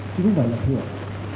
chứ không phải là thưởng